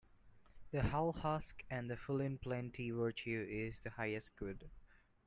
The hull husk and the full in plenty Virtue is the highest good.